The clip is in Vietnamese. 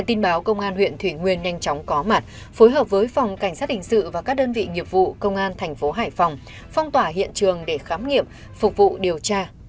tin báo công an huyện thủy nguyên nhanh chóng có mặt phối hợp với phòng cảnh sát hình sự và các đơn vị nghiệp vụ công an thành phố hải phòng phong tỏa hiện trường để khám nghiệm phục vụ điều tra